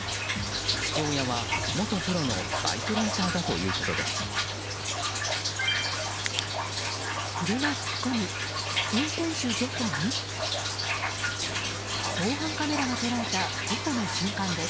父親は元プロのバイクレーサーだということです。